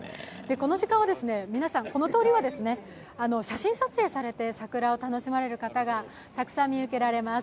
この時間は皆さん、この通りは写真撮影されて桜を楽しまれる方がたくさん見受けられます。